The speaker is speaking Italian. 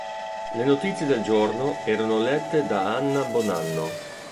Le notizie del giorno erano lette da Anna Bonanno.